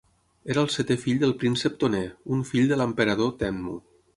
Era el setè fill del Príncep Toner, un fill de l'Emperador Tenmu.